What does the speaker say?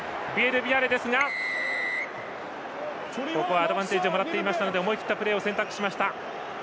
ここはアドバンテージをもらっていましたので思い切ったプレーを選択しました。